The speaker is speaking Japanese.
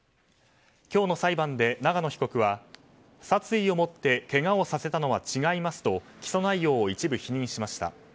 今日の裁判で永野被告は殺意をもってけがをさせたのは違いますと起訴内容を一部否認しました。